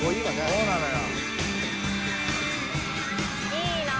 「そうなのよ」